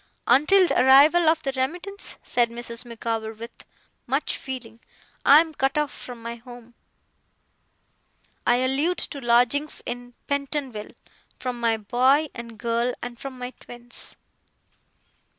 Until the arrival of that remittance,' said Mrs. Micawber with much feeling, 'I am cut off from my home (I allude to lodgings in Pentonville), from my boy and girl, and from my twins.